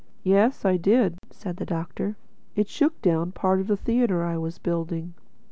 "Yes I did," said the Doctor, "it shook down part of the theatre I was building."